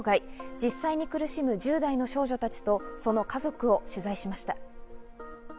実際に苦しむ１０代の少女たちとその家族を取材しました。